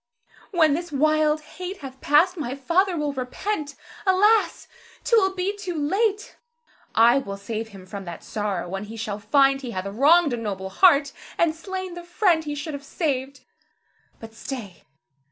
When this wild hate hath passed, my father will repent. Alas! 't will be too late. I will save him from that sorrow when he shall find he hath wronged a noble heart, and slain the friend he should have saved. But stay!